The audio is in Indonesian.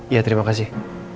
ya terima kasih